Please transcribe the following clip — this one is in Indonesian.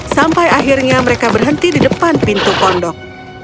sampai akhirnya mereka berhenti di depan pintu pondok